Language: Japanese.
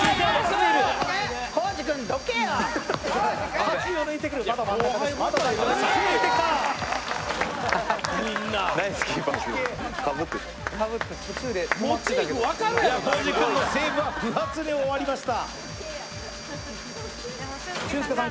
コージくんのセーブは不発に終わりました。